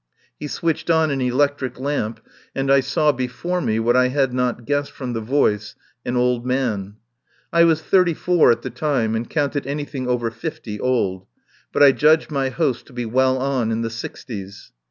He switched on an electric lamp, and I saw before me — what I had not guessed from the voice — an old man. I was thirty four at the time, and counted anything over fifty old, but I judged my host to be well on in the sixties.